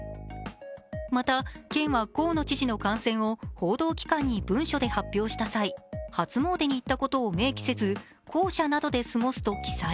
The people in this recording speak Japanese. また、県は河野知事の感染を報道機関に文書で発表した際、初詣に行ったことを明記せず、公舎などで過ごすと記載。